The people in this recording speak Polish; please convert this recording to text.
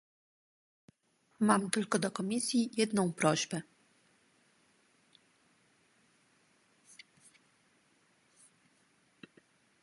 Mam tylko do Komisji jedną prośbę